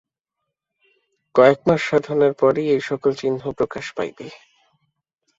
কয়েক মাস সাধনার পরই এই-সকল চিহ্ন প্রকাশ পাইবে।